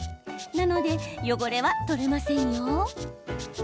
なので汚れは取れませんよ。